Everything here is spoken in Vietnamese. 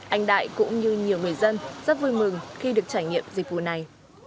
anh đại cũng như nhiều người dân rất vui mừng khi được trải nghiệm dịch vụ này